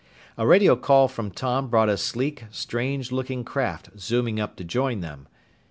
A radio call from Tom brought a sleek, strange looking craft zooming up to join them.